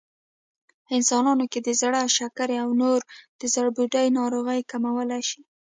انسانانو کې د زړه، شکرې او نورې د زړبوډۍ ناروغۍ کمولی شي